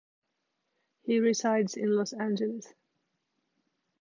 He resides in Los Angeles.